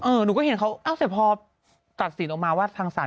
หนูก็เห็นเขาเสร็จพอตัดสินออกมาว่าทางศาล